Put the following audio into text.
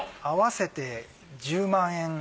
合わせて１０万円。